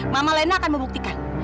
mama lena akan membuktikan